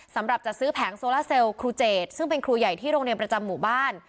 สำหรับจัดซื้อแผงโซล่าเซลครูเจดซึ่งเป็นครูใหญ่ที่โรงเรียนประจำหมู่บ้าน